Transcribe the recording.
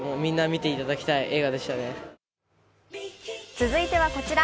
続いてはこちら。